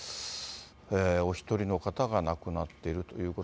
お１人の方が亡くなっているということ。